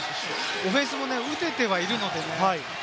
オフェンスも打ててはいるのでね。